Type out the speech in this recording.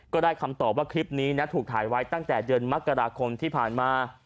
ก็ได้คำตอบว่าคลิปนี้ถูกถ่ายไว้ตั้งแต่เดือนมกราคมที่ผ่านมา